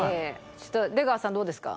ちょっと出川さんどうですか？